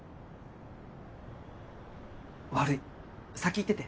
悪い先行ってて。